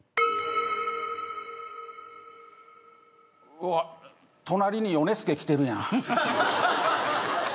うわっ隣にヨネスケ来てるやん。